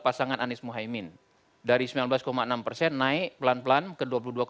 pasangan anies mohaimin dari sembilan belas enam persen naik pelan pelan ke dua puluh dua tujuh